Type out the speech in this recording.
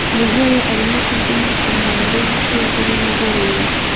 Umugore arimo kubyina ku nkombe z'ikiyaga nimugoroba